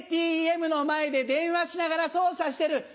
ＡＴＭの前で電話しながら操作してる